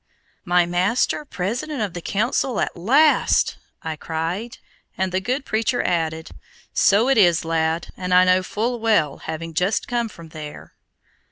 "My master President of the Council at last!" I cried, and the good preacher added: "So it is, lad, as I know full well, having just come from there."